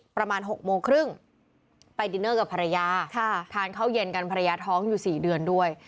ประมาณ๖โมงครึ่งไปดินเนอร์กับภรรยาทานข้าวเย็นกันภรรยาท้องอยู่๔เดือนด้วย